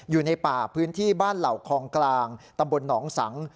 อยู่ในป่าพื้นที่บ้านเหล่าคลองกลางตำบลหนองสัง